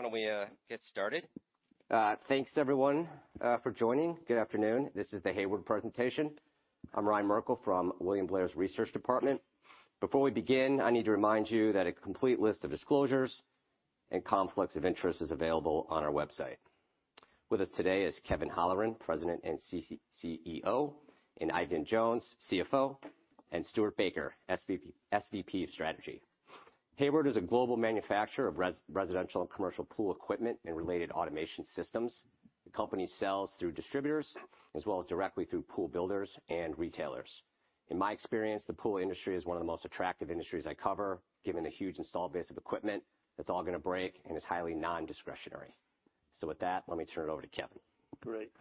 Why don't we get started? Thanks everyone for joining. Good afternoon. This is the Hayward presentation. I'm Ryan Merkel from William Blair's Research Department. Before we begin, I need to remind you that a complete list of disclosures and conflicts of interest is available on our website. With us today is Kevin Holleran, President and CEO, and Eifion Jones, CFO, and Stuart Baker, SVP of Strategy. Hayward is a global manufacturer of residential and commercial pool equipment and related automation systems. The company sells through distributors as well as directly through pool builders and retailers. In my experience, the pool industry is one of the most attractive industries I cover, given the huge installed base of equipment that's all gonna break and is highly nondiscretionary. With that, let me turn it over to Kevin. Great.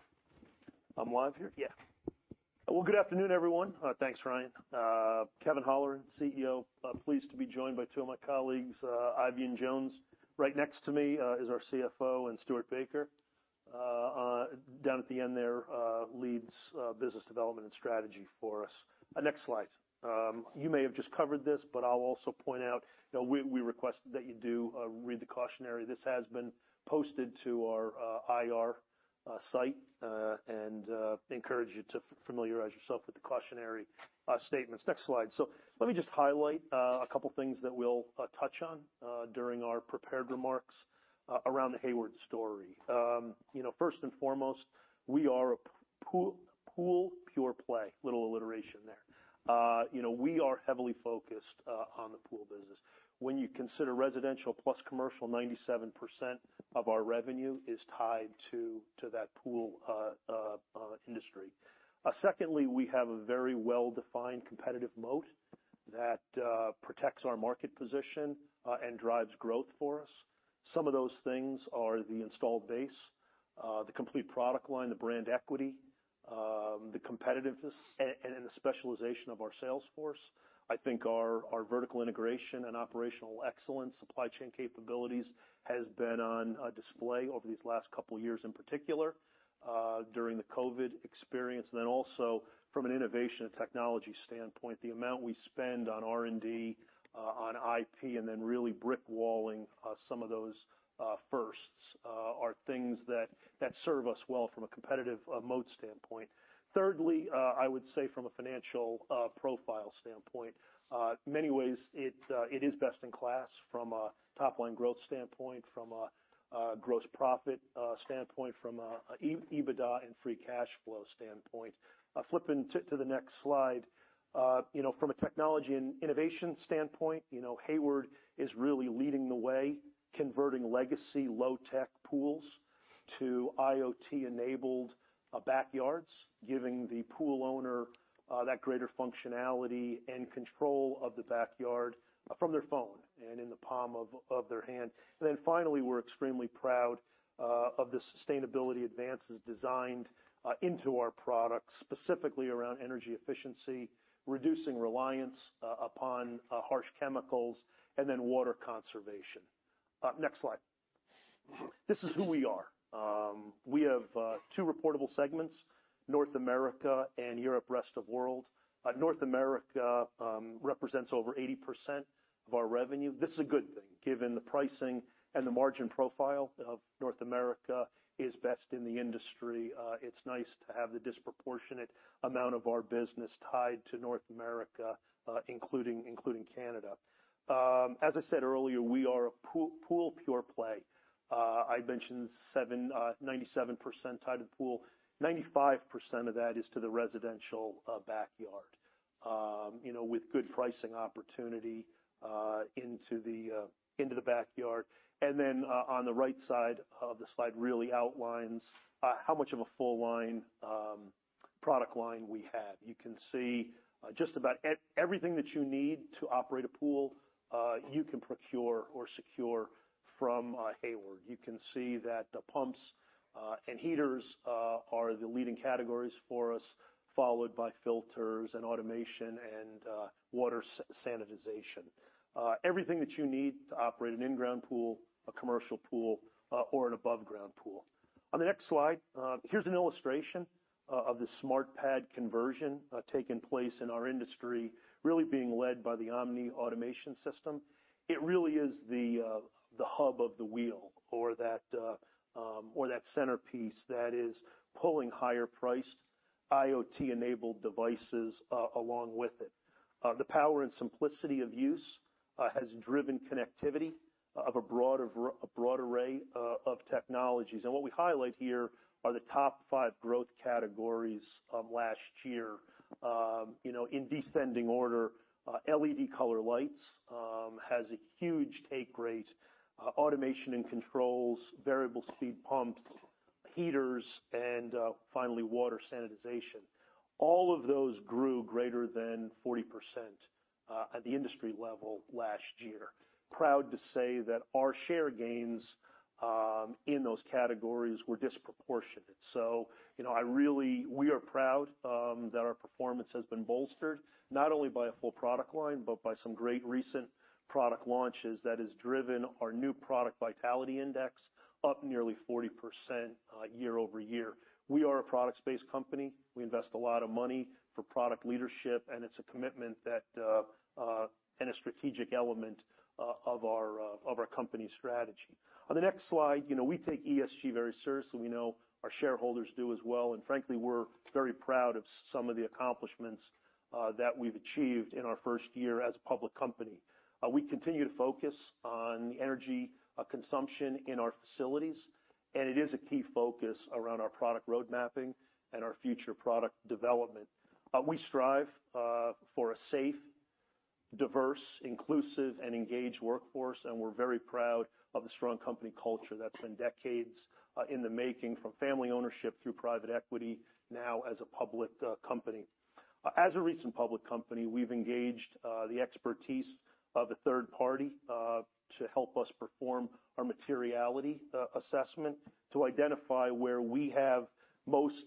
I'm live here? Yeah. Well, good afternoon, everyone. Thanks, Ryan. Kevin Holleran, CEO. Pleased to be joined by two of my colleagues. Eifion Jones right next to me is our CFO, and Stuart Baker down at the end there leads business development and strategy for us. Next slide. You may have just covered this, but I'll also point out that we request that you do read the cautionary. This has been posted to our IR site, and encourage you to familiarize yourself with the cautionary statements. Next slide. Let me just highlight a couple things that we'll touch on during our prepared remarks around the Hayward story. You know, first and foremost, we are a pool pure play. Little alliteration there. You know, we are heavily focused on the pool business. When you consider residential plus commercial, 97% of our revenue is tied to that pool industry. Secondly, we have a very well-defined competitive moat that protects our market position and drives growth for us. Some of those things are the installed base, the complete product line, the brand equity, the competitiveness, and the specialization of our sales force. I think our vertical integration and operational excellence, supply chain capabilities, has been on display over these last couple years, in particular, during the COVID experience. Also from an innovation and technology standpoint, the amount we spend on R&D on IP, and then really brick-walling some of those firsts are things that serve us well from a competitive moat standpoint. Thirdly, I would say from a financial profile standpoint, many ways it is best in class from a top line growth standpoint, from a gross profit standpoint, from a EBITDA and free cash flow standpoint. Flipping to the next slide. You know, from a technology and innovation standpoint, you know, Hayward is really leading the way, converting legacy low-tech pools to IoT-enabled backyards, giving the pool owner that greater functionality and control of the backyard from their phone and in the palm of their hand. Finally, we're extremely proud of the sustainability advances designed into our products, specifically around energy efficiency, reducing reliance upon harsh chemicals, and water conservation. Next slide. This is who we are. We have two reportable segments, North America and Europe/Rest of World. North America represents over 80% of our revenue. This is a good thing given the pricing and the margin profile of North America is best in the industry. It's nice to have the disproportionate amount of our business tied to North America, including Canada. As I said earlier, we are a pool pure play. I mentioned 97% tied to pool. 95% of that is to the residential backyard, you know, with good pricing opportunity into the backyard. On the right side of the slide really outlines how much of a full line product line we have. You can see just about everything that you need to operate a pool you can procure or secure from Hayward. You can see that the pumps and heaters are the leading categories for us, followed by filters and automation and water sanitization. Everything that you need to operate an in-ground pool, a commercial pool or an above ground pool. On the next slide, here's an illustration of the SmartPad conversion taking place in our industry, really being led by the Omni automation system. It really is the hub of the wheel or that centerpiece that is pulling higher priced IoT-enabled devices along with it. The power and simplicity of use has driven connectivity of a broad array of technologies. What we highlight here are the top five growth categories of last year. You know, in descending order, LED color lights has a huge take rate, automation and controls, variable-speed pumps, heaters, and finally, water sanitization. All of those grew greater than 40% at the industry level last year. Proud to say that our share gains in those categories were disproportionate. You know, we are proud that our performance has been bolstered not only by a full product line, but by some great recent product launches that has driven our New Product Vitality Index up nearly 40%, year-over-year. We are a product-based company. We invest a lot of money for product leadership, and it's a commitment that and a strategic element of our company's strategy. On the next slide, you know, we take ESG very seriously. We know our shareholders do as well. Frankly, we're very proud of some of the accomplishments that we've achieved in our first year as a public company. We continue to focus on the energy consumption in our facilities, and it is a key focus around our product road mapping and our future product development. We strive for a safe, diverse, inclusive, and engaged workforce, and we're very proud of the strong company culture that's been decades in the making from family ownership through private equity now as a public company. As a recent public company, we've engaged the expertise of a third party to help us perform our materiality assessment to identify where we have most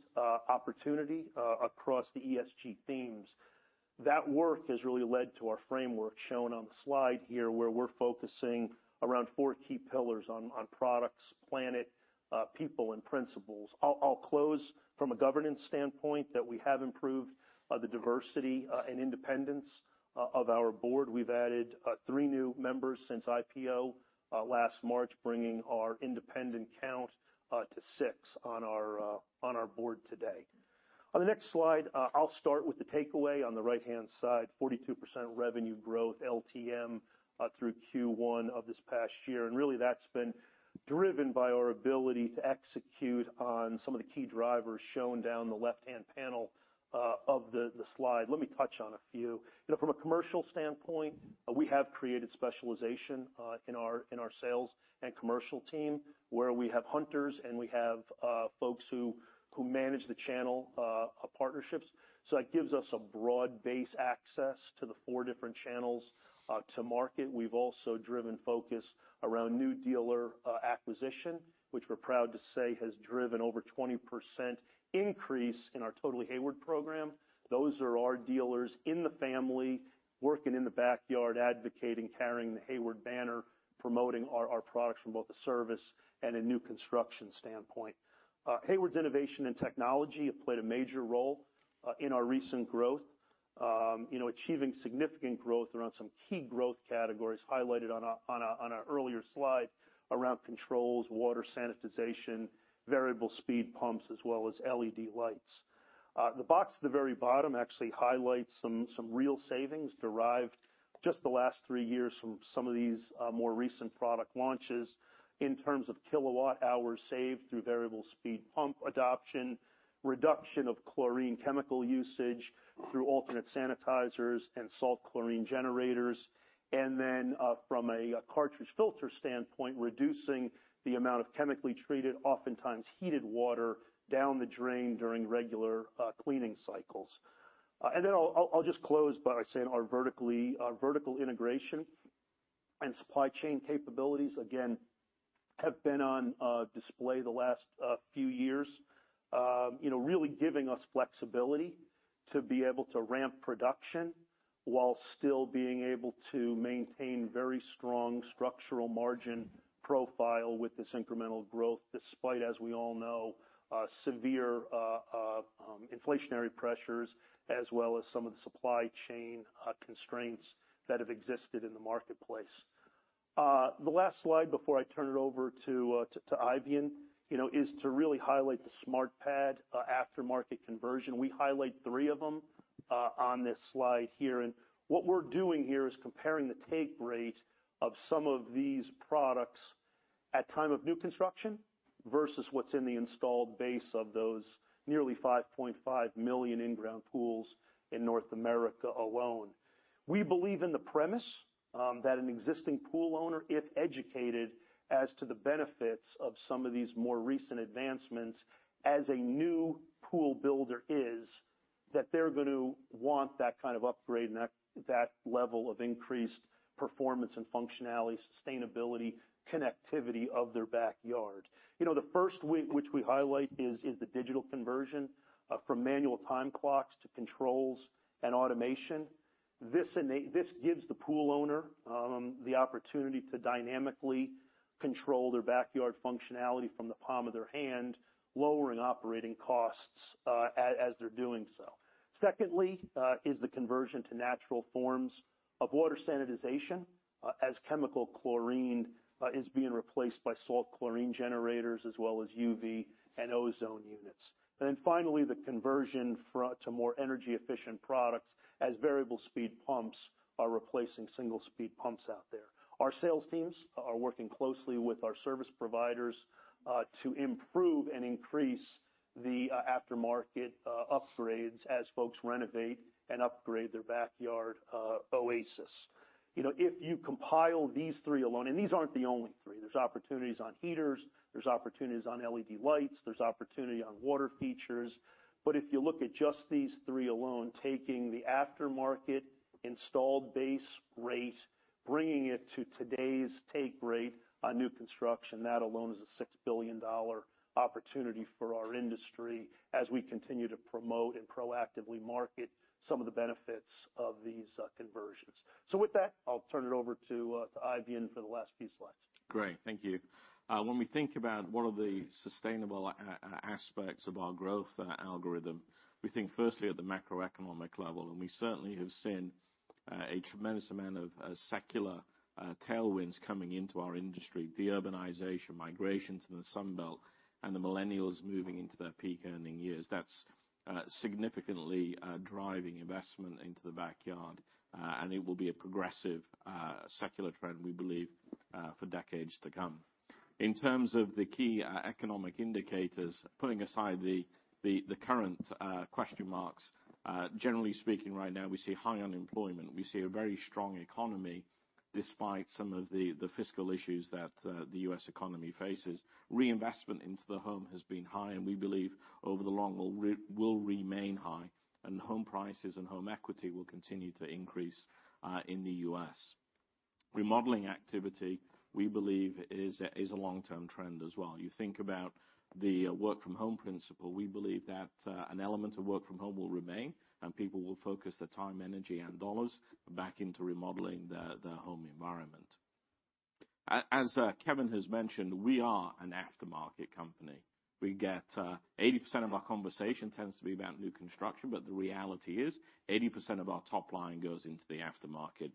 opportunity across the ESG themes. That work has really led to our framework shown on the slide here, where we're focusing around four key pillars on products, planet, people, and principles. I'll close from a governance standpoint that we have improved the diversity and independence of our board. We've added three new members since IPO last March, bringing our independent count to six on our board today. On the next slide, I'll start with the takeaway on the right-hand side, 42% revenue growth LTM through Q1 of this past year. Really, that's been driven by our ability to execute on some of the key drivers shown down the left-hand panel of the slide. Let me touch on a few. You know, from a commercial standpoint, we have created specialization in our sales and commercial team, where we have hunters, and we have folks who manage the channel partnerships. That gives us a broad-based access to the four different channels to market. We've also driven focus around new dealer acquisition, which we're proud to say has driven over 20% increase in our Totally Hayward program. Those are our dealers in the family, working in the backyard, advocating, carrying the Hayward banner, promoting our products from both a service and a new construction standpoint. Hayward's innovation and technology have played a major role in our recent growth, you know, achieving significant growth around some key growth categories highlighted on an earlier slide around controls, water sanitization, variable speed pumps, as well as LED lights. The box at the very bottom actually highlights some real savings derived just the last three years from some of these more recent product launches in terms of kilowatt hours saved through variable speed pump adoption, reduction of chlorine chemical usage through alternate sanitizers and salt chlorine generators, and then from a cartridge filter standpoint, reducing the amount of chemically treated, oftentimes heated water down the drain during regular cleaning cycles. I'll just close by saying our vertical integration and supply chain capabilities, again, have been on display the last few years, you know, really giving us flexibility to be able to ramp production while still being able to maintain very strong structural margin profile with this incremental growth, despite, as we all know, severe inflationary pressures as well as some of the supply chain constraints that have existed in the marketplace. The last slide before I turn it over to Eifion, you know, is to really highlight the SmartPad aftermarket conversion. We highlight three of them on this slide here. What we're doing here is comparing the take rate of some of these products at time of new construction versus what's in the installed base of those nearly 5.5 million in-ground pools in North America alone. We believe in the premise that an existing pool owner, if educated as to the benefits of some of these more recent advancements as a new pool builder is, that they're going to want that kind of upgrade and that level of increased performance and functionality, sustainability, connectivity of their backyard. You know, the first which we highlight is the digital conversion from manual time clocks to controls and automation. This gives the pool owner the opportunity to dynamically control their backyard functionality from the palm of their hand, lowering operating costs as they're doing so. Secondly, is the conversion to natural forms of water sanitization, as chemical chlorine is being replaced by Salt Chlorine Generators as well as UV and ozone units. Finally, the conversion to more energy-efficient products as variable-speed pumps are replacing single speed pumps out there. Our sales teams are working closely with our service providers to improve and increase the aftermarket upgrades as folks renovate and upgrade their backyard oasis. You know, if you compile these three alone, and these aren't the only three, there's opportunities on heaters, there's opportunities on LED lights, there's opportunity on water features, but if you look at just these three alone, taking the aftermarket installed base rate, bringing it to today's take rate on new construction, that alone is a $6 billion opportunity for our industry as we continue to promote and proactively market some of the benefits of these conversions. With that, I'll turn it over to Eifion for the last few slides. Great. Thank you. When we think about what are the sustainable aspects of our growth algorithm, we think firstly at the macroeconomic level, and we certainly have seen a tremendous amount of secular tailwinds coming into our industry, de-urbanization, migration to the Sun Belt, and the millennials moving into their peak earning years. That's significantly driving investment into the backyard, and it will be a progressive secular trend, we believe, for decades to come. In terms of the key economic indicators, putting aside the current question marks, generally speaking, right now, we see high unemployment. We see a very strong economy despite some of the fiscal issues that the U.S. economy faces. Reinvestment into the home has been high, and we believe over the long will remain high, and home prices and home equity will continue to increase in the U.S. Remodeling activity, we believe, is a long-term trend as well. You think about the work from home principle. We believe that an element of work from home will remain, and people will focus their time, energy, and dollars back into remodeling their home environment. As Kevin has mentioned, we are an aftermarket company. We get 80% of our conversation tends to be about new construction, but the reality is 80% of our top line goes into the aftermarket.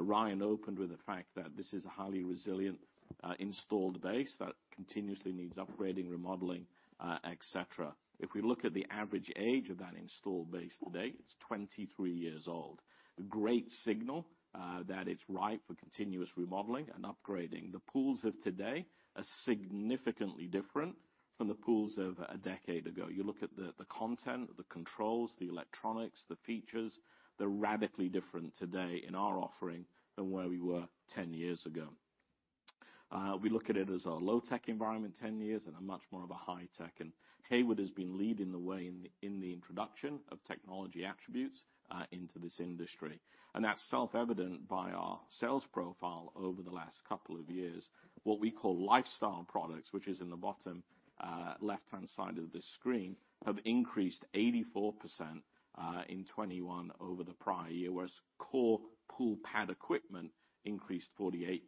Ryan opened with the fact that this is a highly resilient installed base that continuously needs upgrading, remodeling, etc. If we look at the average age of that installed base today, it's 23 years old. A great signal that it's ripe for continuous remodeling and upgrading. The pools of today are significantly different from the pools of a decade ago. You look at the content, the controls, the electronics, the features, they're radically different today in our offering than where we were 10 years ago. We look at it as a low-tech environment 10 years and a much more of a high tech. Hayward has been leading the way in the introduction of technology attributes into this industry, and that's self-evident by our sales profile over the last couple of years. What we call lifestyle products, which is in the bottom left-hand side of this screen, have increased 84% in 2021 over the prior year, whereas core pool product equipment increased 48%.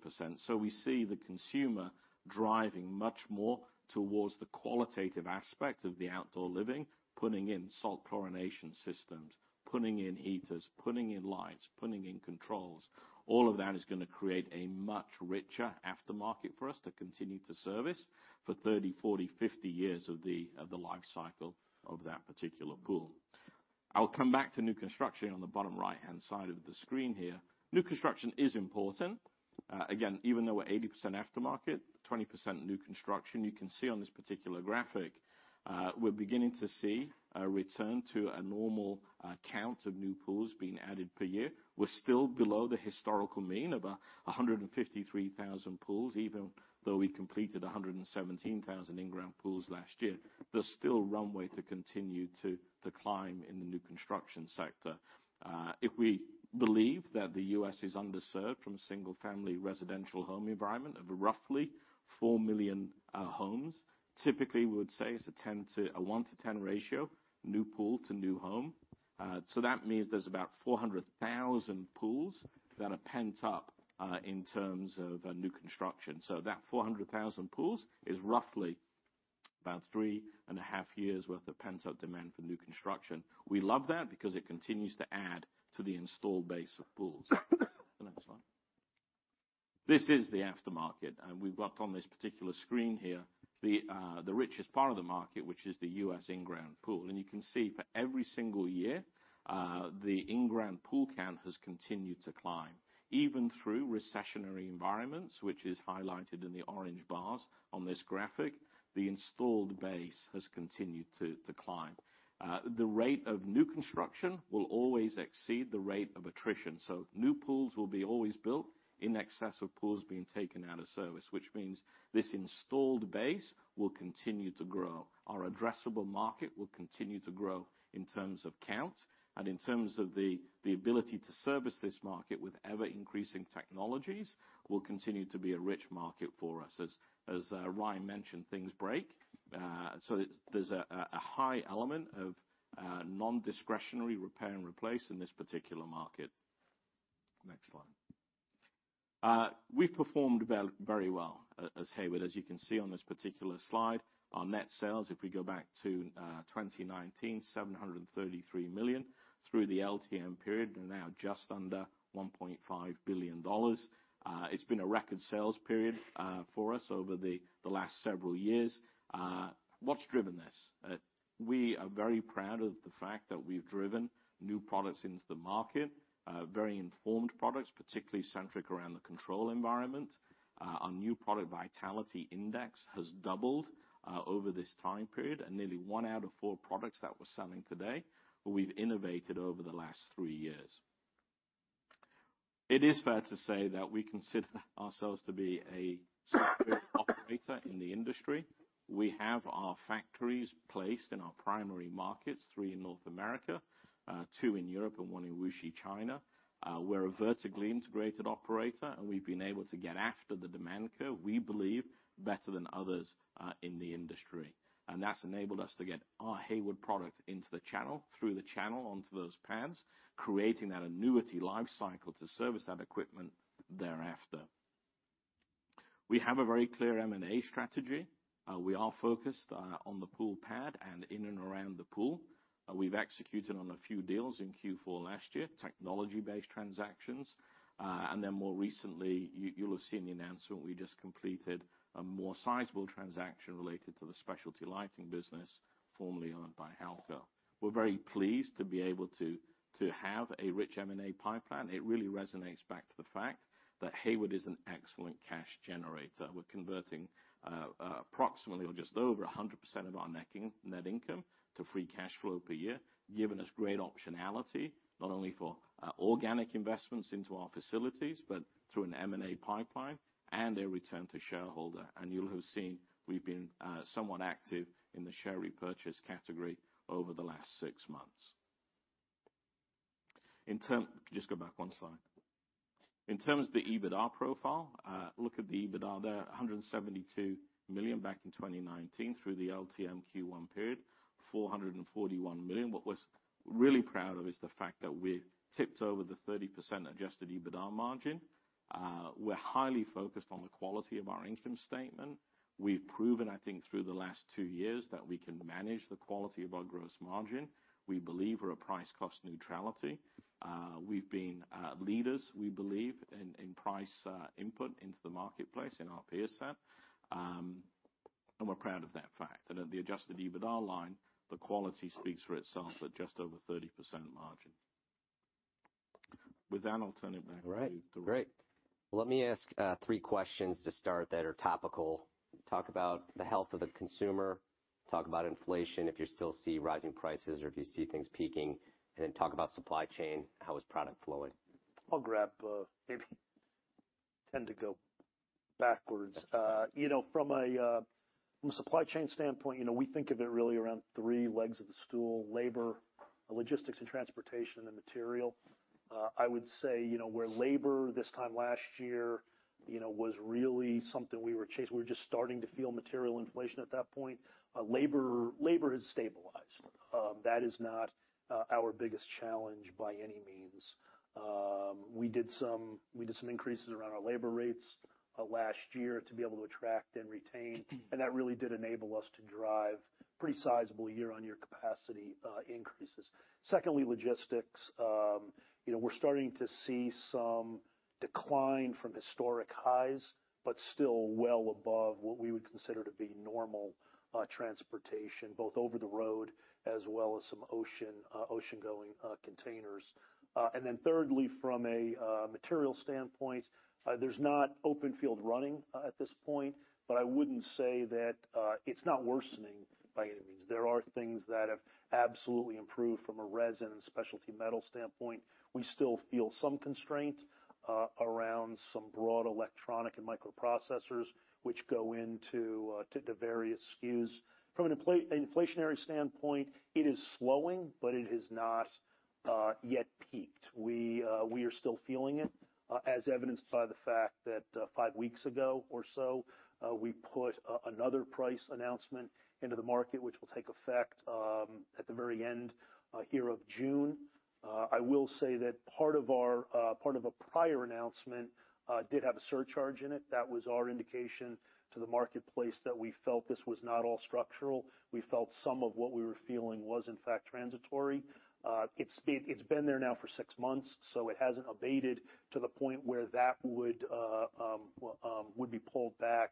We see the consumer driving much more towards the qualitative aspect of the outdoor living, putting in salt chlorination systems, putting in heaters, putting in lights, putting in controls. All of that is gonna create a much richer aftermarket for us to continue to service for 30, 40, 50 years of the life cycle of that particular pool. I'll come back to new construction on the bottom right-hand side of the screen here. New construction is important. Again, even though we're 80% aftermarket, 20% new construction, you can see on this particular graphic, we're beginning to see a return to a normal count of new pools being added per year. We're still below the historical mean of 153,000 pools, even though we completed 117,000 in-ground pools last year. There's still runway to continue to climb in the new construction sector. If we believe that the U.S. is underserved from a single-family residential home environment of roughly 4 million homes, typically we would say it's a 1-to-10 ratio, new pool to new home. That means there's about 400,000 pools that are pent up in terms of new construction. That 400,000 pools is roughly about three and a half years worth of pent-up demand for new construction. We love that because it continues to add to the installed base of pools. The next slide. This is the aftermarket, and we've got on this particular screen here, the richest part of the market, which is the U.S. in-ground pool. You can see for every single year, the in-ground pool count has continued to climb. Even through recessionary environments, which is highlighted in the orange bars on this graphic, the installed base has continued to climb. The rate of new construction will always exceed the rate of attrition. New pools will be always built in excess of pools being taken out of service, which means this installed base will continue to grow. Our addressable market will continue to grow in terms of count and in terms of the ability to service this market with ever-increasing technologies will continue to be a rich market for us. As Ryan mentioned, things break. So there's a high element of non-discretionary repair and replace in this particular market. Next slide. We've performed very well as Hayward. As you can see on this particular slide, our net sales, if we go back to 2019, $733 million through the LTM period, and now just under $1.5 billion. It's been a record sales period for us over the last several years. What's driven this? We are very proud of the fact that we've driven new products into the market, very informed products, particularly centric around the control environment. Our New Product Vitality Index has doubled over this time period, and nearly one out of four products that we're selling today we've innovated over the last three years. It is fair to say that we consider ourselves to be an operator in the industry. We have our factories placed in our primary markets, three in North America, two in Europe, and one in Wuxi, China. We're a vertically integrated operator, and we've been able to get ahead of the demand curve, we believe, better than others in the industry. That's enabled us to get our Hayward product into the channel, through the channel onto those pads, creating that annuity life cycle to service that equipment thereafter. We have a very clear M&A strategy. We are focused on the pool and spa and in and around the pool. We've executed on a few deals in Q4 last year, technology-based transactions. More recently, you'll have seen the announcement, we just completed a more sizable transaction related to the specialty lighting business formerly owned by Halco. We're very pleased to be able to have a rich M&A pipeline. It really resonates back to the fact that Hayward is an excellent cash generator. We're converting approximately or just over 100% of our net income to free cash flow per year, giving us great optionality, not only for organic investments into our facilities, but through an M&A pipeline and a return to shareholder. You'll have seen we've been somewhat active in the share repurchase category over the last six months. Just go back one slide. In terms of the EBITDA profile, look at the EBITDA there, $172 million back in 2019 through the LTMQ1 period, $441 million. What we're really proud of is the fact that we've tipped over the 30% adjusted EBITDA margin. We're highly focused on the quality of our income statement. We've proven, I think, through the last two years that we can manage the quality of our gross margin. We believe we're at price-cost neutrality. We've been leaders, we believe, in price input into the marketplace in our peer set. We're proud of that fact. At the adjusted EBITDA line, the quality speaks for itself at just over 30% margin. With that, I'll turn it back to Ryan Merkel. All right. Great. Let me ask three questions to start that are topical. Talk about the health of the consumer. Talk about inflation, if you still see rising prices or if you see things peaking. Talk about supply chain. How is product flowing? I tend to go backwards. You know, from a supply chain standpoint, you know, we think of it really around three legs of the stool, labor, logistics and transportation, and material. I would say, you know, where labor this time last year, you know, was really something we were just starting to feel material inflation at that point, labor has stabilized. That is not our biggest challenge by any means. We did some increases around our labor rates last year to be able to attract and retain, and that really did enable us to drive pretty sizable year-on-year capacity increases. Secondly, logistics. You know, we're starting to see some decline from historic highs, but still well above what we would consider to be normal, transportation, both over the road as well as some ocean, oceangoing, containers. Thirdly, from a material standpoint, there's not open field running at this point, but I wouldn't say that it's not worsening by any means. There are things that have absolutely improved from a resin and specialty metal standpoint. We still feel some constraint around some broad electronic and microprocessors which go into to various SKUs. From an inflationary standpoint, it is slowing, but it has not yet peaked. We are still feeling it, as evidenced by the fact that, five weeks ago or so, we put another price announcement into the market, which will take effect at the very end here of June. I will say that part of a prior announcement did have a surcharge in it. That was our indication to the marketplace that we felt this was not all structural. We felt some of what we were feeling was in fact transitory. It's been there now for six months, so it hasn't abated to the point where that would be pulled back.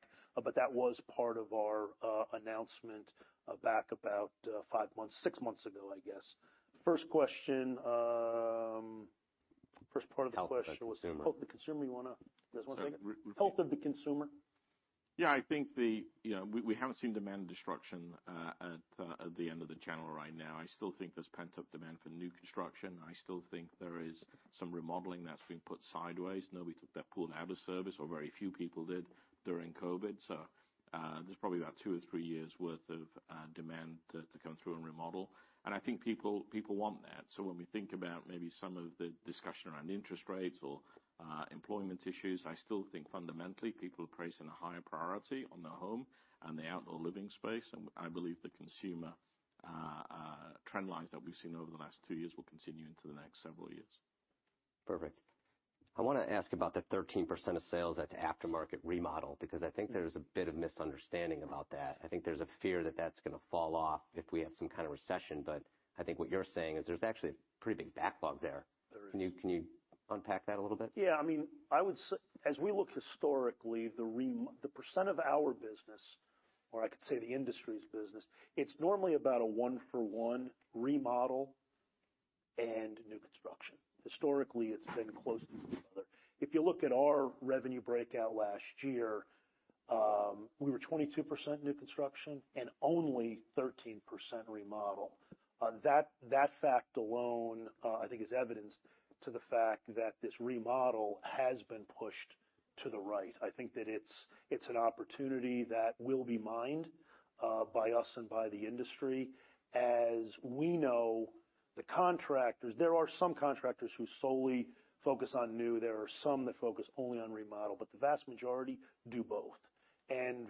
That was part of our announcement back about five months, six months ago, I guess. First question, first part of the question was- Health of the consumer. Health of the consumer. You guys wanna take it? Sorry, repeat. Health of the consumer. Yeah, I think you know, we haven't seen demand destruction at the end of the channel right now. I still think there's pent-up demand for new construction. I still think there is some remodeling that's been put sideways. Nobody took their pool out of service, or very few people did during COVID. There's probably about two or three years worth of demand to come through and remodel. I think people want that. When we think about maybe some of the discussion around interest rates or employment issues, I still think fundamentally people are placing a higher priority on their home and the outdoor living space. I believe the consumer trend lines that we've seen over the last two years will continue into the next several years. Perfect. I wanna ask about the 13% of sales that's aftermarket remodel, because I think there's a bit of misunderstanding about that. I think there's a fear that that's gonna fall off if we have some kind of recession. I think what you're saying is there's actually a pretty big backlog there. There is. Can you unpack that a little bit? Yeah. I mean, I would say as we look historically, the percent of our business, or I could say the industry's business, it's normally about a one-for-one remodel and new construction. Historically, it's been close to each other. If you look at our revenue breakout last year, we were 22% new construction and only 13% remodel. That fact alone, I think is evidence to the fact that this remodel has been pushed to the right. I think that it's an opportunity that will be mined by us and by the industry. As we know, the contractors. There are some contractors who solely focus on new, there are some that focus only on remodel, but the vast majority do both.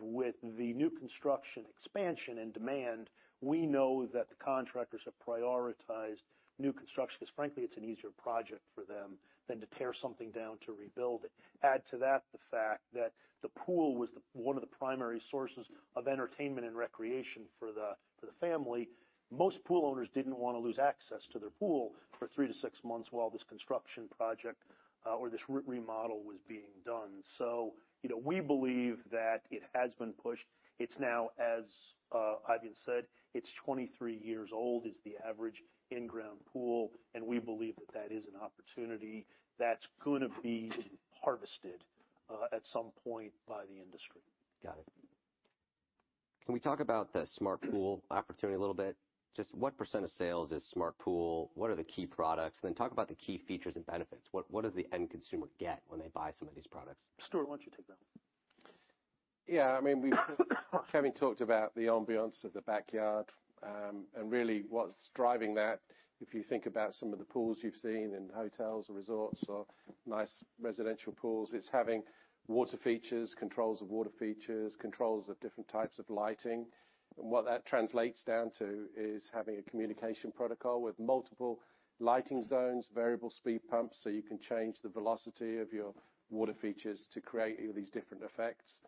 With the new construction expansion and demand, we know that the contractors have prioritized new construction 'cause frankly, it's an easier project for them than to tear something down to rebuild it. Add to that the fact that the pool was one of the primary sources of entertainment and recreation for the family, most pool owners didn't wanna lose access to their pool for three to six months while this construction project or this remodel was being done. You know, we believe that it has been pushed. It's now, as Eifion said, it's 23 years old is the average in-ground pool, and we believe that that is an opportunity that's gonna be harvested at some point by the industry. Got it. Can we talk about the smart pool opportunity a little bit? Just what % of sales is smart pool? What are the key products? Talk about the key features and benefits. What does the end consumer get when they buy some of these products? Stuart, why don't you take that? Yeah, I mean, Kevin talked about the ambiance of the backyard, and really what's driving that. If you think about some of the pools you've seen in hotels or resorts or nice residential pools, it's having water features, controls of water features, controls of different types of lighting. What that translates down to is having a communication protocol with multiple lighting zones, variable-speed pumps, so you can change the velocity of your water features to create these different effects.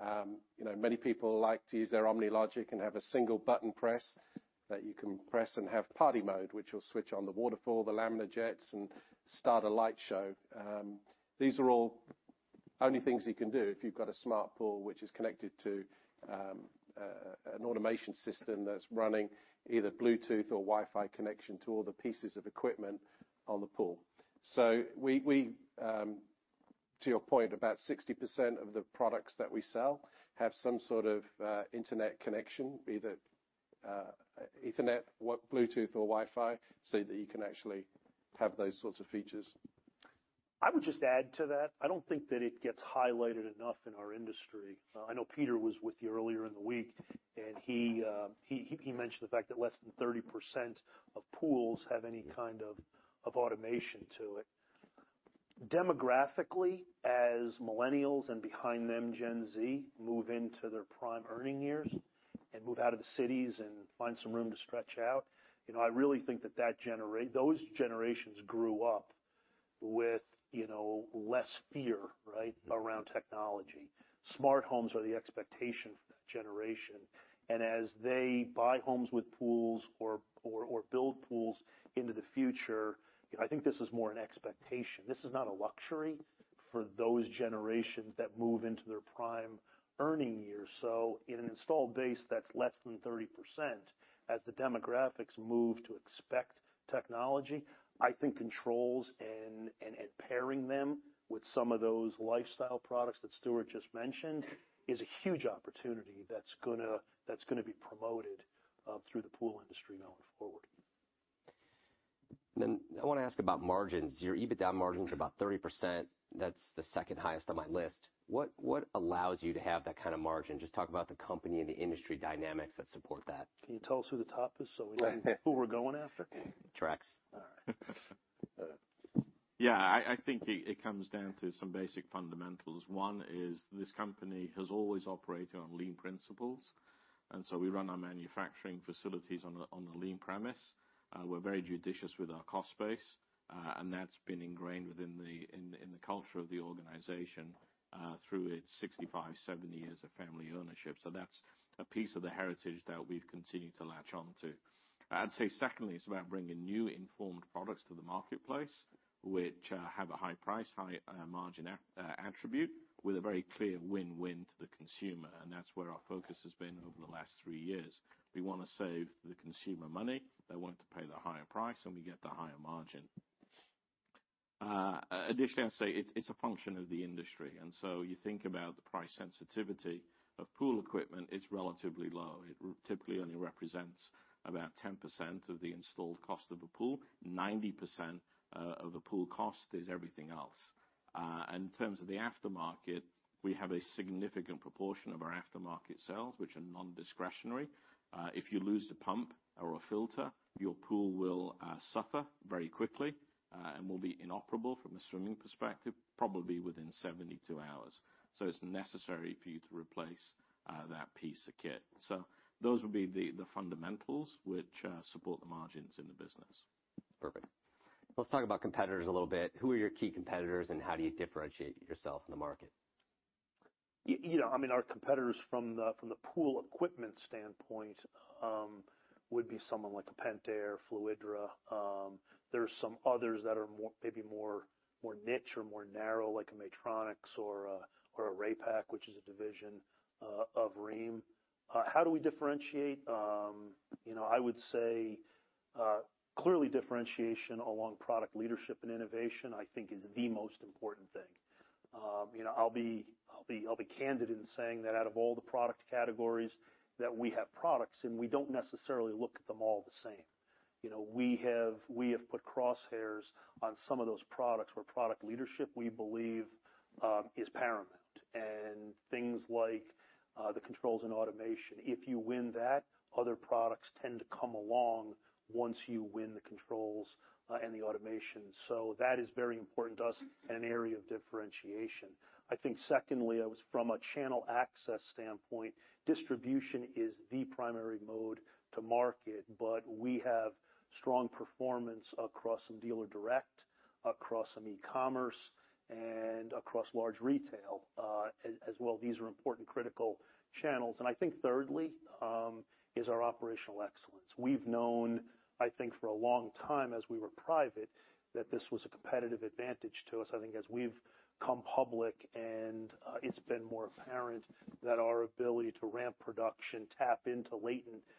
You know, many people like to use their OmniLogic and have a single button press that you can press and have party mode, which will switch on the waterfall, the laminar jets, and start a light show. These are all only things you can do if you've got a smart pool, which is connected to an automation system that's running either Bluetooth or Wi-Fi connection to all the pieces of equipment on the pool. We, to your point, about 60% of the products that we sell have some sort of internet connection, be that Ethernet, Bluetooth or Wi-Fi, so that you can actually have those sorts of features. I would just add to that, I don't think that it gets highlighted enough in our industry. I know Peter was with you earlier in the week, and he mentioned the fact that less than 30% of pools have any kind of automation to it. Demographically, as millennials and behind them, Gen Z, move into their prime earning years and move out of the cities and find some room to stretch out, you know, I really think that those generations grew up with, you know, less fear, right, around technology. Smart homes are the expectation for that generation. As they buy homes with pools or build pools into the future, you know, I think this is more an expectation. This is not a luxury for those generations that move into their prime earning years. In an installed base that's less than 30%, as the demographics move to expect technology, I think controls and pairing them with some of those lifestyle products that Stuart just mentioned, is a huge opportunity that's gonna be promoted through the pool industry going forward. I wanna ask about margins. Your EBITDA margins are about 30%. That's the second highest on my list. What allows you to have that kind of margin? Just talk about the company and the industry dynamics that support that. Can you tell us who the top is so we know who we're going after? Trex. All right. Yeah, I think it comes down to some basic fundamentals. One is this company has always operated on lean principles, and we run our manufacturing facilities on a lean premise. We're very judicious with our cost base, and that's been ingrained within the culture of the organization through its 65-70 years of family ownership. That's a piece of the heritage that we've continued to latch on to. I'd say secondly, it's about bringing new innovative products to the marketplace, which have a high price, high margin attribute with a very clear win-win to the consumer, and that's where our focus has been over the last three years. We wanna save the consumer money. They want to pay the higher price, and we get the higher margin. Additionally, I'd say it's a function of the industry, so you think about the price sensitivity of pool equipment, it's relatively low. It typically only represents about 10% of the installed cost of a pool. 90% of the pool cost is everything else. In terms of the aftermarket, we have a significant proportion of our aftermarket sales, which are non-discretionary. If you lose a pump or a filter, your pool will suffer very quickly and will be inoperable from a swimming perspective, probably within 72 hours. It's necessary for you to replace that piece of kit. Those would be the fundamentals which support the margins in the business. Perfect. Let's talk about competitors a little bit. Who are your key competitors, and how do you differentiate yourself in the market? You know, I mean, our competitors from the pool equipment standpoint would be someone like a Pentair, Fluidra. There's some others that are more maybe more niche or more narrow, like a Maytronics or a Raypak, which is a division of Rheem. How do we differentiate? You know, I would say clearly differentiation along product leadership and innovation, I think is the most important thing. You know, I'll be candid in saying that out of all the product categories that we have products in, we don't necessarily look at them all the same. You know, we have put crosshairs on some of those products where product leadership, we believe, is paramount. Things like the controls and automation, if you win that, other products tend to come along once you win the controls and the automation. That is very important to us and an area of differentiation. I think secondly, from a channel access standpoint, distribution is the primary mode to market, but we have strong performance across some dealer direct, across some e-commerce, and across large retail, as well. These are important critical channels. I think thirdly is our operational excellence. We've known, I think, for a long time as we were private, that this was a competitive advantage to us. I think as we've come public and it's been more apparent that our ability to ramp production, tap into latent capacity,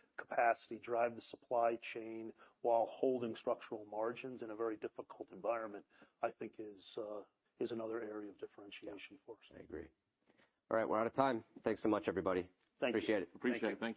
drive the supply chain while holding structural margins in a very difficult environment, I think is another area of differentiation for us. I agree. All right, we're out of time. Thanks so much, everybody. Thank you. Appreciate it. Appreciate it. Thanks.